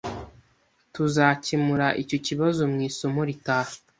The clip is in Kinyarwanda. Tuzakemura icyo kibazo mu isomo ritaha